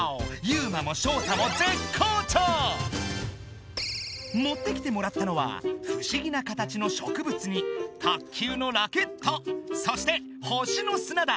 ユウマもショウタももってきてもらったのは不思議な形の植物に卓球のラケットそして星の砂だ。